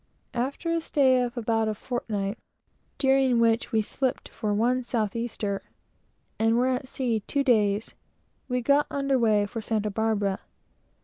After a stay of about a fortnight, during which we slipped for one south easter, and were at sea two days, we got under weigh for Santa Barbara.